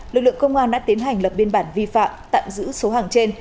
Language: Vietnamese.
lực lượng công an đã tiến hành lập biên bản vi phạm tạm giữ số hàng trên